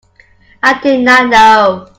I did not know.